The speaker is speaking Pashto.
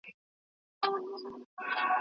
لا به تر څو د خپل ماشوم زړګي تسل کومه